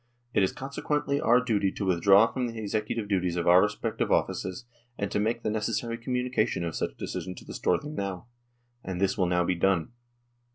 It is consequently our duty to withdraw from the executive duties of our respective offices, and to make the necessary communication of such decision to the Storthing now. " And this will now be done.